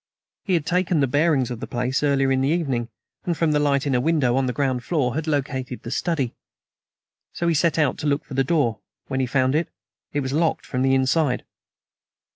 He had taken the bearings of the place earlier in the evening, and from the light in a window on the ground floor had located the study; so he set out to look for the door. When he found it, it was locked from the inside."